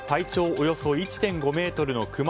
およそ１．５ｍのクマ